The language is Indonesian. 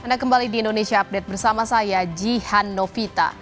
anda kembali di indonesia update bersama saya jihan novita